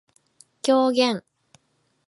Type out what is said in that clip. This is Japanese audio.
狂言